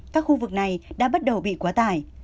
các khu vực này đã bắt đầu bị quá tải